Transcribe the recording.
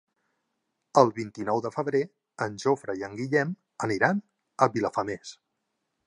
El vint-i-nou de febrer en Jofre i en Guillem aniran a Vilafamés.